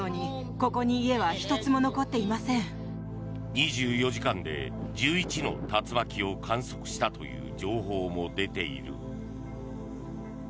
２４時間で１１の竜巻を観測したという情報も出ている。